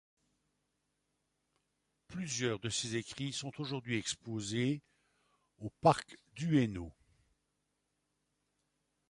Plusieurs de ces écrits sont aujourd'hui exposés au au parc d'Ueno.